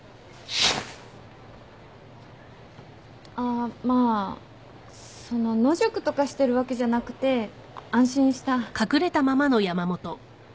あまあその野宿とかしてるわけじゃなくて安心した。